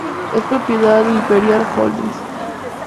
Es propiedad de Imperial Holdings.